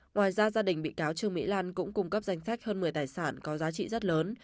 ngoài ra gia đình bị cáo trương mỹ lan cũng cung cấp danh sách hơn một mươi tài sản có giá trị rất lớn